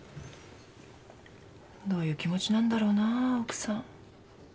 どういう気持ちなんだろうな奥さん。